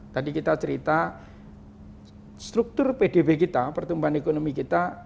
tadi kita cerita struktur pdb kita pertumbuhan ekonomi kita